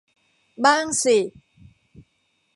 บ้างสิ